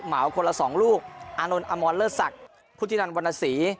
เหมาคนละสองลูกอานนท์อมรเลอร์สักพุทินันวรรณศรี